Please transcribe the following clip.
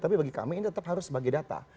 tapi bagi kami ini tetap harus sebagai data